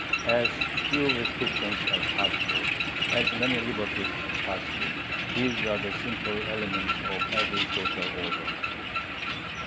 As few restrictions as possible, as many liberties as possible these are the simple elements of every social order.